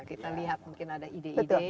kita lihat mungkin ada ide ide